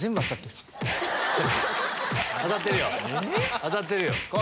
当たってるよ。